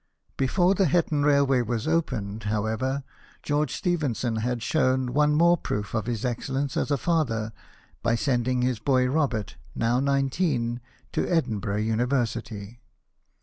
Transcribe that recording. Before the Hetton railway was opened, how ever, George Stephenson had shown one more proof of his excellence as a father by sending his boy Robert, now nineteen, to Edinburgh University.